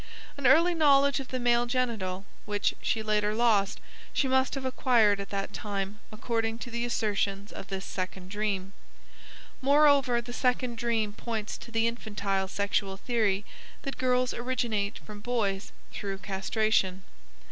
An early knowledge of the male genital which she later lost she must have acquired at that time according to the assertions of this second dream. Moreover the second dream points to the infantile sexual theory that girls originate from boys through castration.